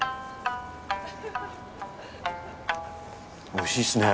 おいしいっすね。